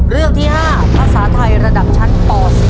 เรื่องที่๕ภาษาไทยระดับชั้นป๔